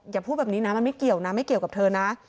อย่าพูดแบบนี้นะมันไม่เกี่ยวนะไม่เกี่ยวกับเธอนะ